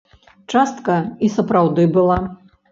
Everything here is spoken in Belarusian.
Частка і сапраўды была.